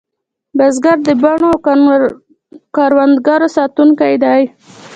بزګر د بڼو او کروندو ساتونکی دی